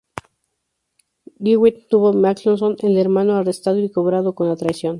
Gwinnett Tuvo McIntosh el hermano arrestado y cobrado con traición.